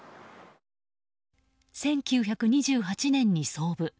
１９２８年に創部。